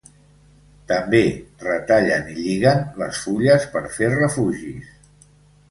També retallen i lliguen les fulles per fer refugis.